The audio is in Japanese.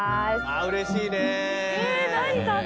うれしいね。